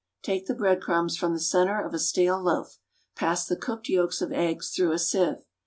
Take the bread crumbs from the centre of a stale loaf. Pass the cooked yolks of eggs through a sieve.